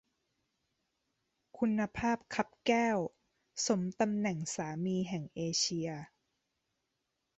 คุณภาพคับแก้ว สมตำแหน่งสามีแห่งเอเชีย